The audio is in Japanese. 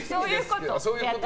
そういうこと。